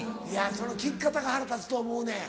その聞き方が腹立つと思うねん